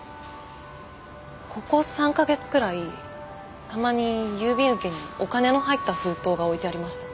ここ３カ月くらいたまに郵便受けにお金の入った封筒が置いてありました。